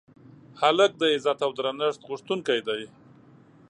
هلک د عزت او درنښت غوښتونکی دی.